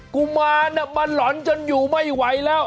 กุมารมาหล่อนจนอยู่ไม่ไหวแล้ว